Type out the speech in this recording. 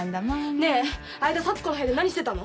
ねえ愛田幸子の部屋で何してたの。